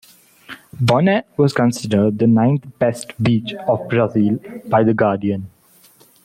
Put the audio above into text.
Bonete was considered the ninth best beach of Brazil by "The Guardian".